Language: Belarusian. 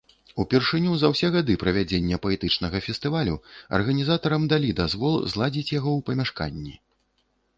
Упершыню за ўсе гады правядзення паэтычнага фестывалю арганізатарам далі дазвол зладзіць яго ў памяшканні.